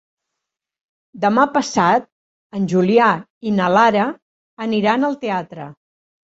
Demà passat en Julià i na Lara aniran al teatre.